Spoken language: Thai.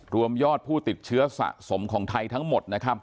รวมยอดผู้ติดเชื้อสะสมของไทยทั้งหมดนะครับ